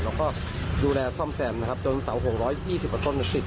เราก็ดูแลซ่อมแสนจนเศร้าหงษ์๑๒๐ต้นติด